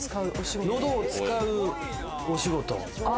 喉を使うお仕事。